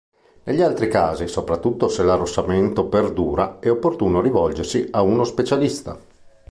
Negli altri casi, soprattutto se l'arrossamento perdura, è opportuno rivolgersi a uno specialista.